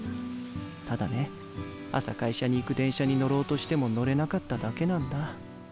ただね朝会社に行く電車に乗ろうとしても乗れなかっただけなんだ。